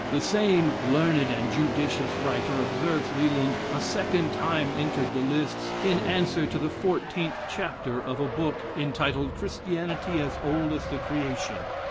"The same learned and judicious writer," observes Leland, a second time entered the lists, in "answer to the fourteenth chapter of a book, entitled 'Christianity as Old as the Creation.'"